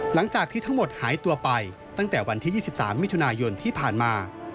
หลังจากที่ทั้งหมดหายตัวไปตั้งแต่วันที่๒๓มิถุนายนที่ผ่านมา